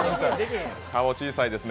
顔小さいですね